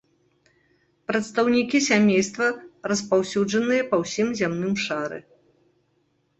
Прадстаўнікі сямейства распаўсюджаныя па ўсім зямным шары.